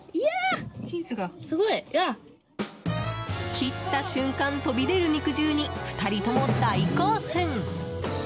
切った瞬間飛び出る肉汁に２人とも大興奮！